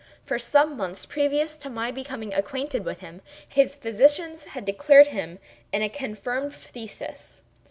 For some months previous to my becoming acquainted with him, his physicians had declared him in a confirmed phthisis.